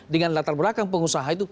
dengan latar belakang pengusaha itu